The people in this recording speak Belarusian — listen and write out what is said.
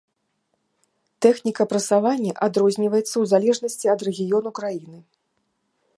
Тэхніка прасавання адрозніваецца ў залежнасці ад рэгіёну краіны.